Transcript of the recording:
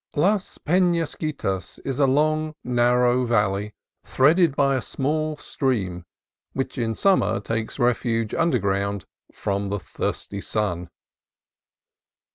Las Penasquitas is a long, narrow valley threaded by a small stream which in summer takes refuge underground from the thirsty sun.